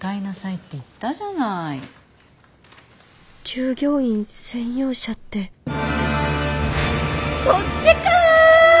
従業員専用車ってそっちか！